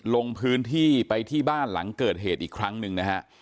ลงพื้นที่ไปที่บ้านหลังเกิดเหตุอีกครั้งหนึ่งนะฮะ